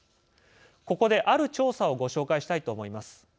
ここである調査をご紹介したいと思います。